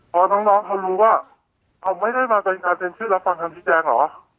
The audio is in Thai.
พอน้องเขารู้ว่าเขาไม่ได้มาเป็นการเซ็นชื่อรับฟังคำชี้แจงเหรอ